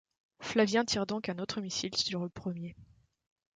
Flavien tire donc un autre missile sur le premier.